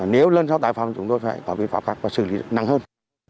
nếu lên sau tải phòng chúng tôi phải có vi phạm khác và xử lý nặng hơn